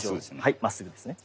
はいまっすぐですね。